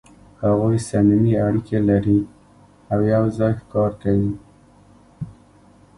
هغوی صمیمي اړیکې لري او یو ځای ښکار کوي.